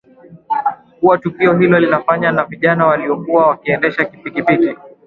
kuwa tukio hilo linafanywa na vijana waliokuwa wakiendesha pikipiki